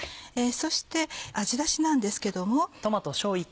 そして味ダシなんですけども。